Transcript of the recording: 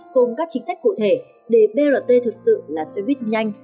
cùng các chính sách cụ thể để brt thực sự là xe buýt nhanh